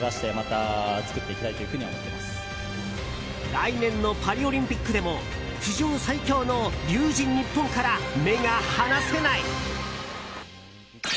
来年のパリオリンピックでも史上最強の龍神ＮＩＰＰＯＮから目が離せない！